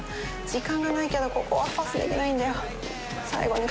時間がないけどここはパスできないんだよ。